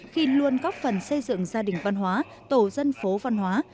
khi luôn góp phần xây dựng gia đình văn hóa tổ dân phố văn hóa